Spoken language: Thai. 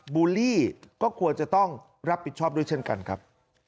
บูลลี่ก็ควรจะต้องรับผิดชอบด้วยเช่นกันครับ